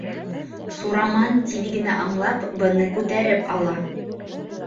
Сураман тиҙ генә аңлап, быны күтәреп ала.